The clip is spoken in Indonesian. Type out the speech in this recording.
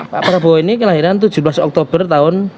pak prabowo ini kelahiran tujuh belas oktober tahun